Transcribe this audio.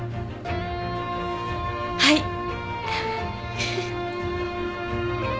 はい！